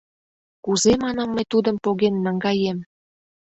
Кузе, манам, мый тудым поген наҥгаем?